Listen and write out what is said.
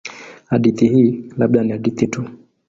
Hadithi hii labda ni hadithi tu.